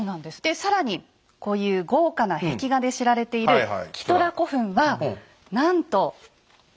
更にこういう豪華な壁画で知られているキトラ古墳はなんと円形。